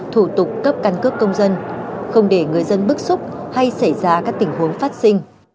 thủ tục cấp căn cước công dân không để người dân bức xúc hay xảy ra các tình huống phát sinh